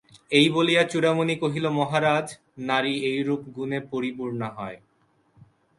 এই বলিয়া চূড়ামণি কহিল মহারাজ নারী এইরূপ গুণে পরিপূর্ণা হয়।